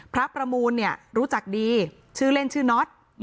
พระประมูลเนี่ยรู้จักดีชื่อเล่นชื่อน็อต